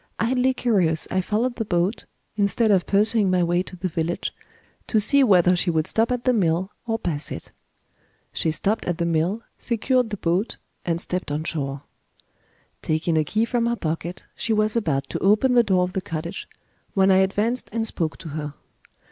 Idly curious I followed the boat, instead of pursuing my way to the village, to see whether she would stop at the mill, or pass it. She stopped at the mill, secured the boat, and stepped on shore. Taking a key from her pocket, she was about to open the door of the cottage, when I advanced and spoke to her.